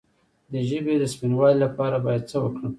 د ژبې د سپینوالي لپاره باید څه وکړم؟